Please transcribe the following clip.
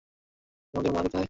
তোদের মা কোথায়?